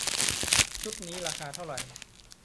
ชุดนี้ราคาเท่าไหร่